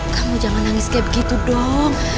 kamu jangan nangis kayak begitu dong